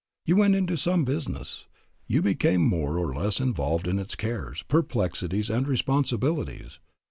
You went into some business. You became more or less involved in its cares, perplexities and responsibilities.